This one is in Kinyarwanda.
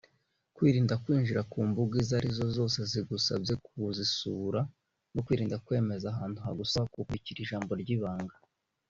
kwirinda kwinjira ku mbuga izo arizo zose zigusabye kuzisura no kwirinda kwemeza ahantu hagusaba kukubikira ijambo ry’ibanga